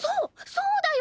そうだよ！